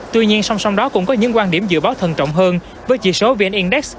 tuy nhiên song song đó cũng có những quan điểm dự báo thân trọng hơn với chỉ số vn index